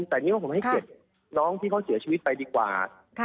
แต่นี่ว่าผมให้เกียรติน้องที่เขาเสียชีวิตไปดีกว่า